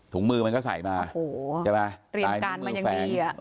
ถุงมือมันก็ใส่มาโอ้โหเตรียมการมันยังดี